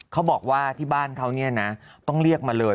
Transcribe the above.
เขาบอกว่าที่บ้านเขาเนี่ยนะต้องเรียกมาเลย